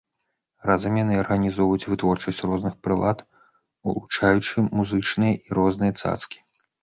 Разам яны арганізоўваюць вытворчасць розных прылад, улучаючы музычныя і розныя цацкі.